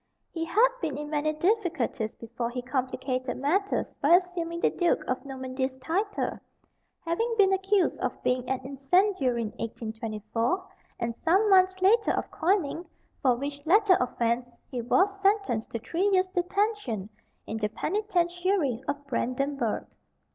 He had been in many difficulties before he complicated matters by assuming the Duke of Normandy's titles, having been accused of being an incendiary in 1824, and some months later of coining, for which latter offence he was sentenced to three years' detention in the Penitentiary of Brandenburg.